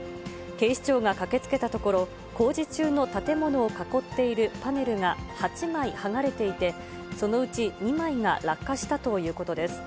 警視庁が駆けつけたところ、工事中の建物を囲っているパネルが８枚剥がれていて、そのうち２枚が落下したということです。